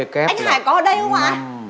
bác sỉu ơi anh hải có ở đây không ạ